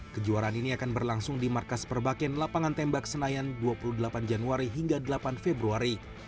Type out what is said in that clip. kejuaraan ini akan berlangsung di markas perbakin lapangan tembak senayan dua puluh delapan januari hingga delapan februari